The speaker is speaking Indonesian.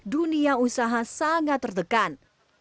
dunia usaha sangat tertekan